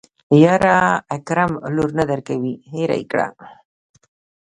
يره اکرم لور نه درکوي هېره يې که.